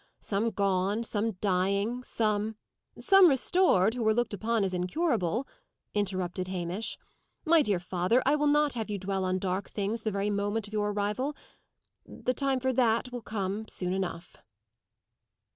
Some gone; some dying; some " "Some restored, who were looked upon as incurable," interrupted Hamish. "My dear father, I will not have you dwell on dark things the very moment of your arrival; the time for that will come soon enough."